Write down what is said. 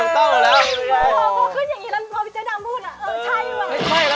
อ๋อบอกก็นญี่ปุ่นพอพี่เจ๊ดำร่วมพูดเออใช่แหวะ